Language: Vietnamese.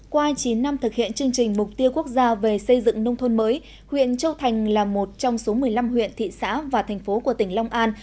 qua chín năm thực hiện chương trình mục tiêu quốc gia về xây dựng nông thôn mới huyện châu thành là một trong số một mươi năm huyện thị xã và thành phố của tỉnh long an